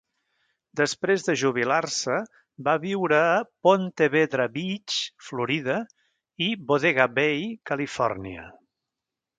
Després de jubilar-se va viure a Ponte Vedra Beach, Florida, i Bodega Bay, Califòrnia.